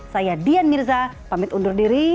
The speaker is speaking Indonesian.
saya dian mirza pamit undur diri